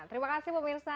terima kasih pak birsa